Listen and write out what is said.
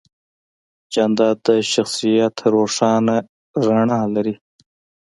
جانداد د شخصیت روښانه رڼا لري.